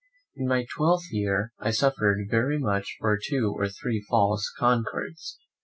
In my twelfth year, I suffered very much for two or three false concords.